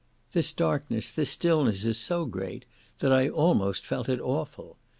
This darkness, this stillness, is so great, that I almost felt it awful.